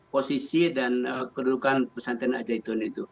posisi dan kedudukan pesantren al zaitun itu